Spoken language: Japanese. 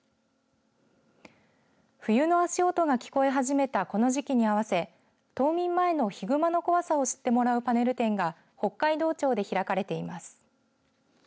冬の足音が聞こえ始めたこの時期に合わせ冬眠前のヒグマの怖さを知ってもらうパネル展が北海道庁で開かれています。